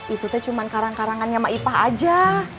itu teh cuma karang kangannya mak ipah aja